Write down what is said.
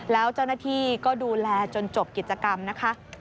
แล้วเจ้าหน้าที่ก็ดูแลจนจบกิจกรรมนะคะ